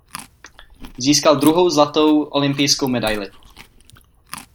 Získal druhou zlatou olympijskou medaili.